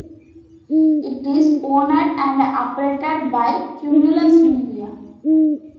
It is owned and operated by Cumulus Media.